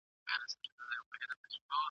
د والدينو دوعا په دنيا او آخرت کي ګټه لري.